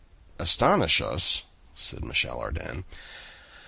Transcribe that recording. "Astonish us?" said Michel Ardan.